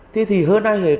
thì thì hơn đây